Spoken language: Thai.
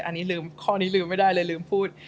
อันนี้ลืมข้อนี้ลืมไม่ได้เลยลืมพูด